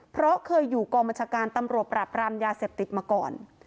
เพราะเคยอยู่กองบัญชาการตำรวจปราบรามยาเสพติดมาก่อน